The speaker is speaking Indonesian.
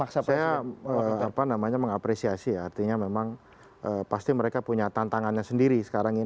saya mengapresiasi ya artinya memang pasti mereka punya tantangannya sendiri sekarang ini